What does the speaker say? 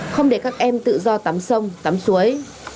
không để các em tự do tắm sông tắm suối